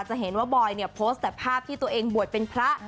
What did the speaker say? จะเห็นว่าบอยเนี่ยโพสต์แต่ภาพที่ตัวเองบวชเป็นพระ